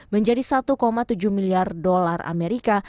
menjadi satu tujuh miliar dolar amerika